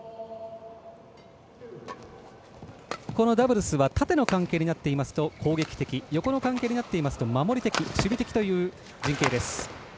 ダブルスは縦の関係になっていますと攻撃的、横の関係になっていると守備的という陣形です。